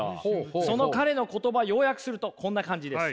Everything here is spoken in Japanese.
その彼の言葉要約するとこんな感じです。